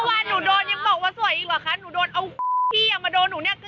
วันหนูโดนยังบอกว่าสวยอีกเหรอคะหนูโดนเอาพี่อ่ะมาโดนหนูเนี่ย